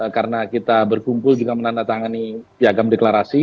karena kita berkumpul juga menandatangani piagam deklarasi